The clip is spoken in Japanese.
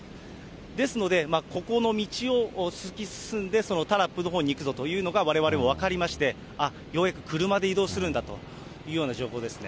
ですので、ここの道を突き進んでタラップのほうに行くぞというのが、われわれも分かりまして、ようやく車で移動するんだというような情報ですね。